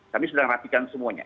kami sudah merapikan semuanya